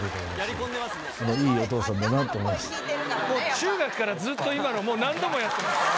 中学からずっと今のもう何度もやってます。